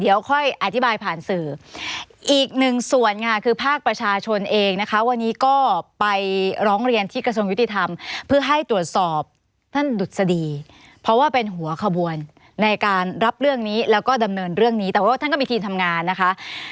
อย่างง่ายคือภาคประชาชนเองนะคะวันนี้ก็ไปร้องเรียนที่กระทงยุติธรรมเพื่อให้ตรวจสอบท่านดุษฎีเพราะว่าเป็นหัวขบวนในการรับเรื่องนี้แล้วก็ดำเนินเรื่องนี้แต่ว่าว่าท่านก็มีทีมทำงานนะคะ